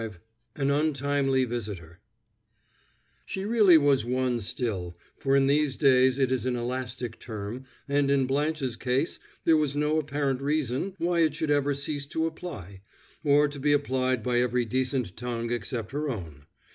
V AN UNTIMELY VISITOR She really was one still, for in these days it is an elastic term, and in Blanche's case there was no apparent reason why it should ever cease to apply, or to be applied by every decent tongue except her own.